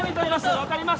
分かります？